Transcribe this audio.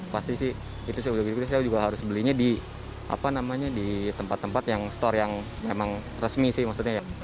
pasti sih itu saya udah gitu saya juga harus belinya di tempat tempat yang store yang memang resmi sih maksudnya ya